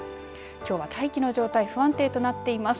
きょうは大気の状態不安定となっています。